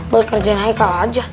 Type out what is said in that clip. buat ngerjain haikal aja